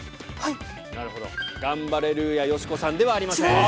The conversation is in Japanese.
ガンバレルーヤ・よしこさんではありません。